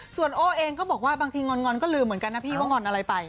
ส่วนโอ้เองก็บอกว่าบางทีงอนก็ลืมเหมือนกันนะพี่ว่างอนอะไรไป